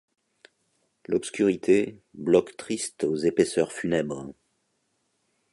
L'obscurité, bloc triste aux épaisseurs funèbres ;